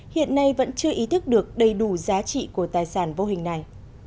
hiện nay vẫn chưa ý thức được đầy đủ giá trị của tài sản vô hình này